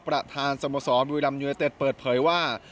ประธานสมสอบยุธรรมเยอเตศเปิดเผยว่า